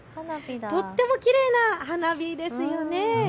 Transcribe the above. とってもきれいな花火ですよね。